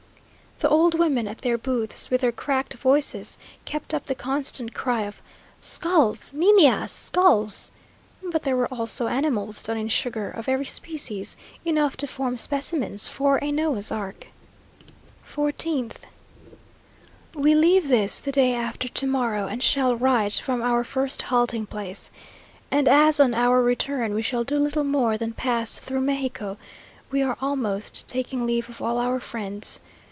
The old women at their booths, with their cracked voices, kept up the constant cry of "Skulls, niñas, skulls!" but there were also animals done in sugar, of every species, enough to form specimens for a Noah's ark. 14th. We leave this the day after to morrow, and shall write from our first halting place; and as on our return we shall do little more than pass through Mexico, we are almost taking leave of all our friends.